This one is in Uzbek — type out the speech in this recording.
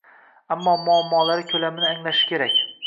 avvalo muammolari ko‘lamini anglashi kerak.